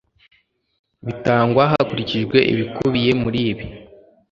bitangwa hakurikijwe ibikubiye muri ibi